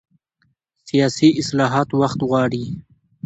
سیاسي اصلاحات وخت غواړي